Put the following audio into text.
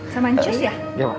sama ancus ya